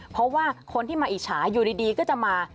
เพราะว่าคนที่มาอิจฉาอยู่ดีก็จะมา